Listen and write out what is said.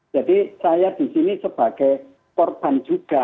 jadi saya disini sebagai korban juga